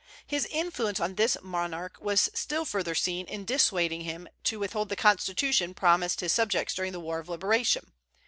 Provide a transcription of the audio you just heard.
His influence on this monarch was still further seen in dissuading him to withhold the constitution promised his subjects during the war of liberation.